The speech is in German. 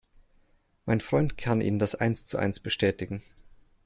Mein Freund kann Ihnen das eins zu eins bestätigen.